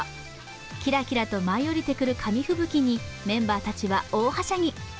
キラキラと舞い降りてくる紙吹雪にメンバーたちは大はしゃぎ。